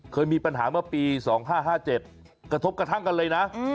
เคยมีปัญหาเมื่อปี๒๕๕๗กระทบกระทั่งกันเลยนะ